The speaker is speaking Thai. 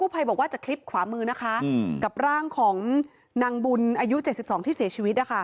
กูไภบอกว่าดูเห็นคลิปแล้ว